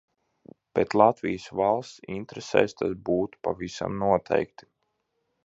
Bet Latvijas valsts interesēs tas būtu pavisam noteikti.